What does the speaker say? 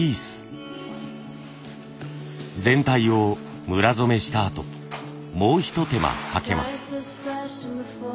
全体をむら染めしたあともう一手間かけます。